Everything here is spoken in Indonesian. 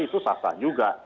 itu sah sah juga